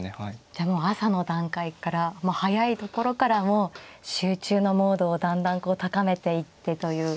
じゃあもう朝の段階からもう早いところからもう集中のモードをだんだんこう高めていってという。